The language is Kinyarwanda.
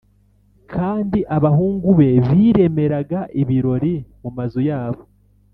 kandi abahungu be biremeraga ibirori mu mazu yabo